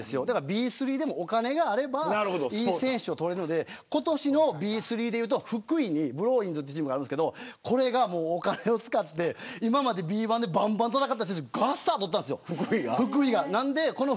Ｂ３でも、お金があればいい選手を取れて今年のＢ３で言うと福井にブローウィンズというチームがあるんですけどこれがお金を使って今までＢ１でばんばん戦っていた選手をがさっと取ったんです。